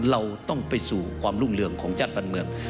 เราต้องไปสู่ความรุ่งเรืองของชาติบ้านเมือง